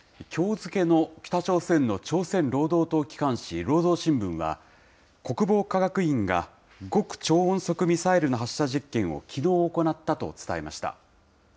きょう付けの北朝鮮の朝鮮労働党機関紙、労働新聞は、国防科学院が極超音速ミサイルの発射実験をきのう行ったと伝えました。